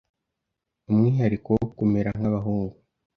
umwihariko wo kumera nk’abahungu